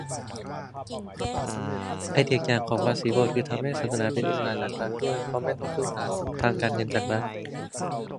ไอเดียอีกอย่างของภาษีโบสถ์ คือทำให้ศาสนาเป็นอิสระจากรัฐด้วย เพราะไม่ต้องพึ่งพาทางการเงินจากรัฐ